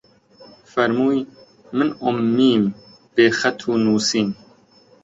فەرمووی: من ئوممیم بێ خەت و نووسین